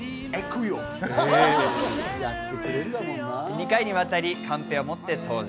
２回にわたりカンペを持って登場。